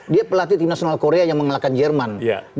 dia pelatih di national korea yang mengalahkan jerman